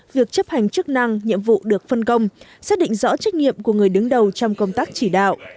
việc chấp hành chức năng nhiệm vụ được phân công xác định rõ trách nhiệm của người đứng đầu trong công tác chỉ đạo